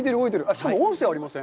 しかも音声ありません？